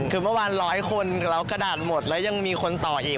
คือเมื่อวาน๑๐๐คนแล้วกระดาษหมดแล้วยังมีคนต่ออีก